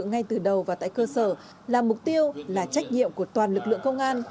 ngay từ đầu và tại cơ sở là mục tiêu là trách nhiệm của toàn lực lượng công an